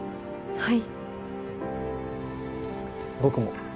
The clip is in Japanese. はい。